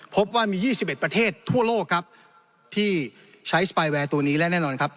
พบว่ามี๒๑ประเทศทั่วโลกครับที่ใช้สปายแวร์ตัวนี้และแน่นอนครับ